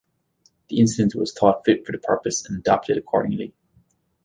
The incident was thought fit for the purpose and adopted accordingly.